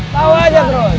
tau aja terus